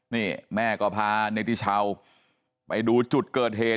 นี่แม่ก็พาเนติชาวไปดูจุดเกิดเหตุ